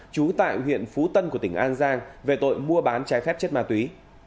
trú tại huyện phú tân của tỉnh an giang về tội mua bán trái phép chất ma túy